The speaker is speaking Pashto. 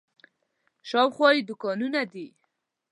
شاوخوا یې دوکانونه دي.